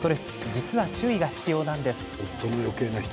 実は注意が必要なんです。